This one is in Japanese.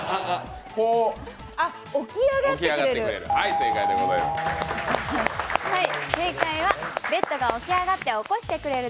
あ、起き上がってくれる？